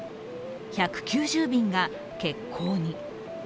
１９０便が欠航に。